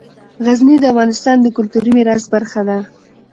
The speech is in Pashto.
غزني د افغانستان د کلتوري میراث برخه ده.